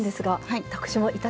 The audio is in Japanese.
はい。